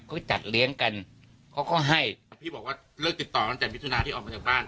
เขาจัดเลี้ยงกันเขาก็ให้พี่บอกว่าเลิกติดต่อตั้งแต่มิถุนาที่ออกมาจากบ้าน